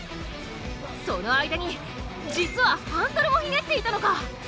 その間に実はハンドルもひねっていたのか！